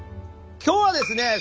今日はですね